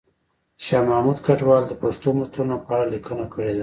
شاه محمود کډوال د پښتو متلونو په اړه لیکنه کړې ده